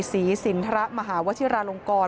ศรีสินทรมหาวชิราลงกร